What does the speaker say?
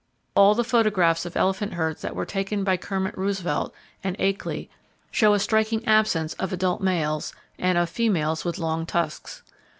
All the photographs of elephant herds that were taken by Kermit Roosevelt and Akeley show a striking absence of adult males and of females with long tusks.